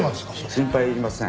心配いりません。